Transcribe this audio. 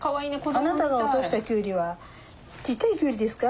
あなたが落としたきゅうりはちっちゃいきゅうりですか？